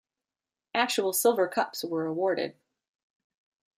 Actual silver cups were awarded.